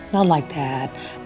gak seperti itu